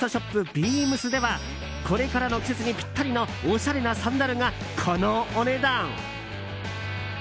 ビームスではこれからの季節にぴったりのおしゃれなサンダルがこのお値段。